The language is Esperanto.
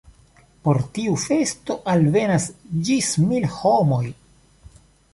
Por tiu festo alvenas ĝis mil homoj.